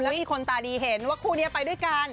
แล้วมีคนตาดีเห็นว่าคู่นี้ไปด้วยกัน